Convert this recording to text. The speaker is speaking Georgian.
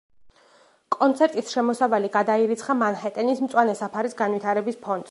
კონცერტის შემოსავალი გადაირიცხა მანჰეტენის მწვანე საფარის განვითარების ფონდს.